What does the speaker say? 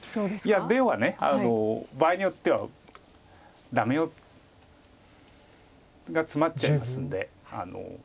いや出は場合によってはダメがツマっちゃいますんで。